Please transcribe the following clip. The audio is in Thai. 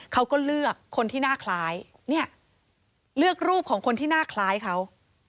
เขาก็เลือกคนที่หน้าคล้ายเนี่ยเลือกรูปของคนที่หน้าคล้ายเขา